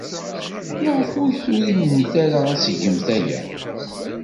Maɣef ur turimemt ara ad tgemt aya?